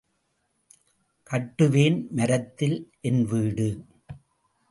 கட்டுவேன் மரத்தில் என்வீடு.